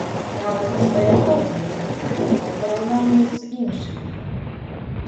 І нават не свая форма як такая, а ў параўнанні з іншымі.